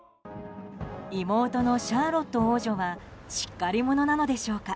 妹のシャーロット王女はしっかり者なのでしょうか。